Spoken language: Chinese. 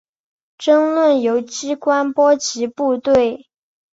争论由机关波及部队。